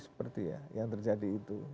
seperti ya yang terjadi itu